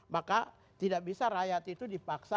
maka tidak bisa rakyat itu dipaksa